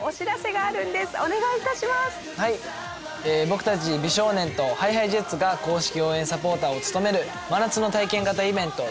僕たち美少年とＨｉＨｉＪｅｔｓが公式応援サポーターを務める真夏の体験型イベント